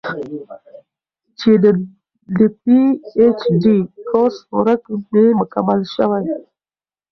چې د پي اېچ ډي کورس ورک مې مکمل شوے